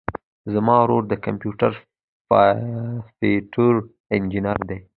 زما ورور د کمپيوټر سافټوېر انجينر دی.